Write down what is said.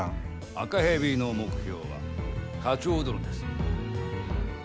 赤蛇の目標は課長殿です。